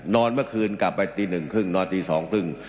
เมื่อคืนกลับไปตีหนึ่งครึ่งนอนตีสองครึ่ง